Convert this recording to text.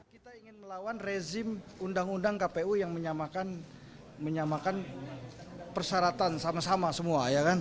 kita ingin melawan rezim undang undang kpu yang menyamakan persyaratan sama sama semua